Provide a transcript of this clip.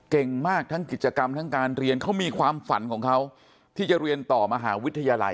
เก่งมากทั้งกิจกรรมทั้งการเรียนเขามีความฝันของเขาที่จะเรียนต่อมหาวิทยาลัย